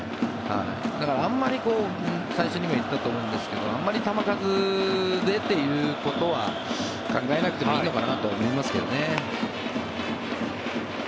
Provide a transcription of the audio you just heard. だから、あまり最初にも言ったと思うんですがあまり球数でということは考えなくてもいいのかなと思いますけどね。